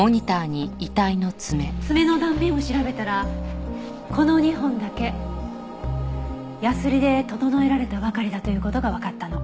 爪の断面を調べたらこの２本だけヤスリで整えられたばかりだという事がわかったの。